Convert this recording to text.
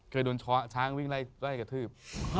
เคยโดนช้อช้างวิ่งไล่กระทืบ